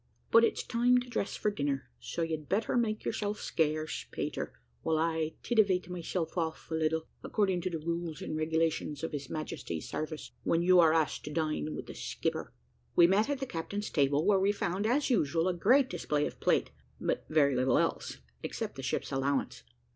But it's time to dress for dinner, so you'd better make yourself scarce, Peter, while I tidivate myself off a little, according to the rules and regulations of His Majesty's service, when you are asked to dine with the skipper." We met at the captain's table, where we found, as usual, a great display of plate, but very little else, except the ship's allowance.